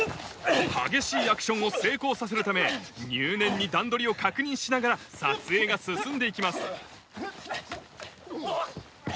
・激しいアクションを成功させるため入念に段取りを確認しながら撮影が進んで行きますお。